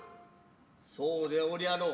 そうでおりゃりょう。